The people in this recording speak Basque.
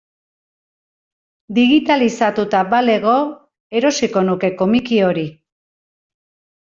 Digitalizatuta balego erosiko nuke komiki hori.